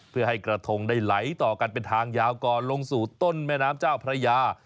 เพื่อให้กระทงได้ไหลต่อกันเป็นทางยาวก่อนลงสู่ต้นแม่น้ำเจ้าพระยา